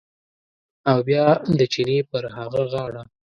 او بیا د چینې پر هغه غاړه